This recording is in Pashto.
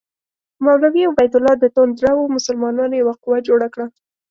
مولوي عبیدالله د توندرو مسلمانانو یوه قوه جوړه کړه.